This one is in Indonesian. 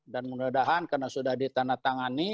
dan mudah mudahan karena sudah ditandatangani